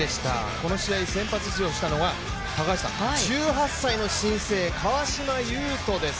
この試合、先発出場したのが、１８歳の新星、川島悠翔です。